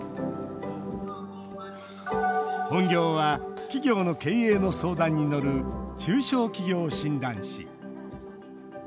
本業は、企業の経営の相談に乗る中小企業診断士。